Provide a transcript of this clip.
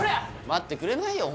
待ってくれないよ